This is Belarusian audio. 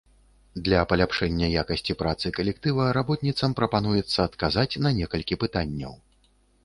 Для паляпшэння якасці працы калектыва работніцам прапануецца адказаць на некалькі пытанняў.